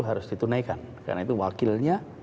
harus ditunaikan karena itu wakilnya